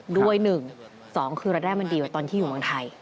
ด้วยหนึ่งสองคือระดับมันดีกว่าตอนที่อยู่เมืองไทย